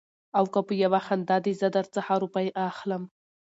او که په يوه خاندې زه در څخه روپۍ اخلم.